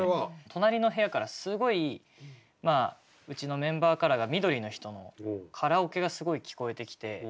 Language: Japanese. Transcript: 隣の部屋からすごいうちのメンバーカラーが緑の人のカラオケがすごい聞こえてきて。